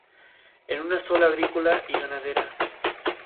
Montes de Oro se encuentra en la Vertiente del Pacífico.